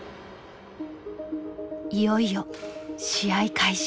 いよいよ試合開始。